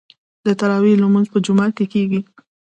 د تراويح لمونځ په جومات کې کیږي.